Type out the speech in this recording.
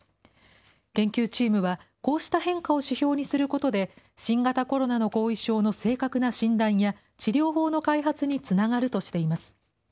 研究チームは、こうした変化を指標にすることで、新型コロナの後遺症の正確な診断や、治療法の開発につながるとしています。